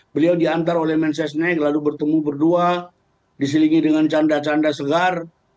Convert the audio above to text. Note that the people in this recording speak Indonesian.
beliau diantar oleh mensesnek lalu bertemu berdua diselingi dengan canda canda segar